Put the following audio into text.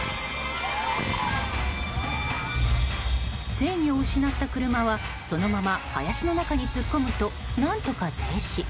制御を失った車はそのまま林の中に突っ込むと何とか停止。